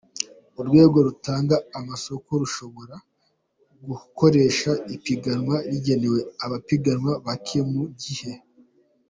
Urwego rutanga amasoko rushobora, gukoresha ipiganwa rigenewe abapiganwa bake mu gihe :